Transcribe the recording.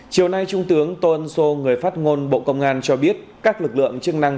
chiều nay trung tướng tôn sô người phát ngôn bộ công an cho biết các lực lượng chức năng